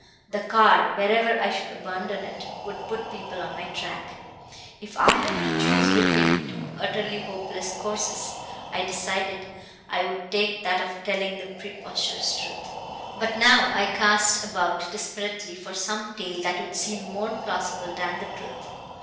The car, wherever I should abandon it, would put people on my track. If I had to choose between two utterly hopeless courses, I decided, I would take that of telling the preposterous truth. "But now I cast about desperately for some tale that would seem more plausible than the truth.